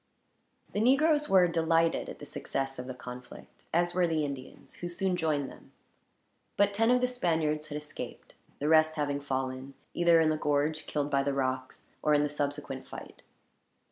The negroes were delighted at the success of the conflict; as were the Indians, who soon joined them. But ten of the Spaniards had escaped, the rest having fallen; either in the gorge, killed by the rocks, or in the subsequent fight.